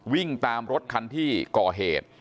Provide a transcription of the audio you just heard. วิ่งตามรถคันที่ก่อเหตุ